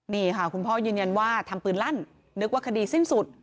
นี่ค่ะคุณพ่อยืนยันว่าทำปืนลั่นนึกว่าคดีสิ้นสุด